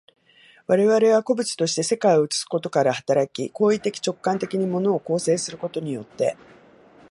我々は個物として世界を映すことから働き、行為的直観的に物を構成することによって、